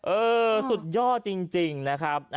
เออสุดยอดจริงนะครับ